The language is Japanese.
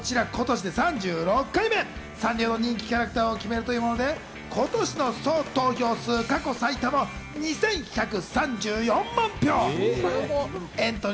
こちらは今年で３６回目、サンリオのキャラクターを決めるというもので今年の総投票数は過去最多の２１３４万票。